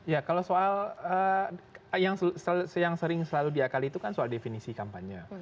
ya kalau soal yang sering selalu diakali itu kan soal definisi kampanye